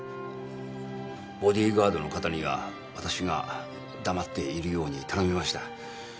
ボディーガードの方には私が黙っているように頼みました。